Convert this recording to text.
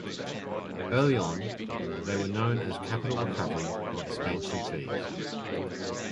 Early on they were known as Capital Recovery or Expansion fees.